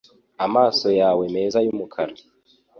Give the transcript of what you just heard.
Amaso yawe meza cyane yumukara